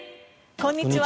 こんにちは。